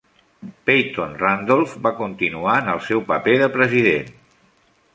Peyton Randolph va continuar en el seu paper de president.